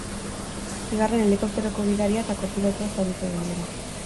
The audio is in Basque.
Bigarren helikopteroko gidaria eta kopilotua zauritu egin dira.